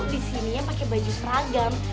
disininya pake baju seragam